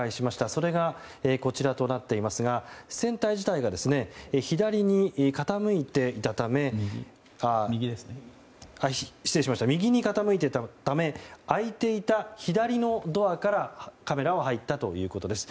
それがこちらとなっていますが船体自体が右に傾いていたため開いていた左のドアからカメラは入ったということです。